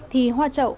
thì hoa trậu